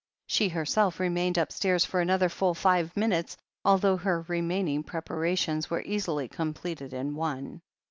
She herself remained upstairs for another full five minutes, although her remaining preparations were easily completed in one.